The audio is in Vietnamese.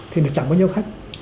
thì nó chẳng có nhiều khách